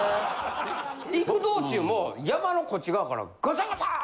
行く道中も山のこっち側からガサガサー！